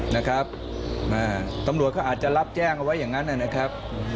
นะครับอ่าตำรวจเขาอาจจะรับแจ้งเอาไว้อย่างนั้นนะครับ